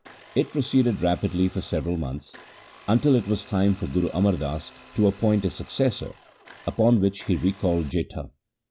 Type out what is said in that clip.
It proceeded rapidly for several months until it was time for Guru Amar Das to appoint a successor, upon which he recalled Jetha.